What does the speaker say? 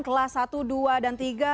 kelas satu dua dan tiga